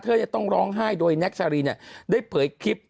ทำให้น้องโอเธอต้องร้องไห้โดยนัคชาลีเนี่ยได้เปิดคลิบ